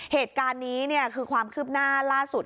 เหตุการณ์นี้คือความคืบหน้าล่าสุด